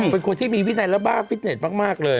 เป็นคนที่มีวินัยและบ้าฟิตเน็ตมากเลย